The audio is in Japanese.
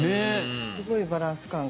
すごいバランス感覚。